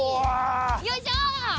よいしょ！